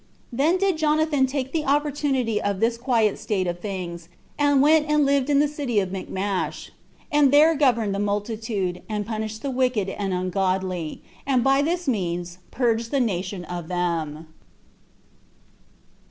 Then did Jonathan take the opportunity of this quiet state of things, and went and lived in the city Michmash; and there governed the multitude, and punished the wicked and ungodly, and by that means purged the nation of them.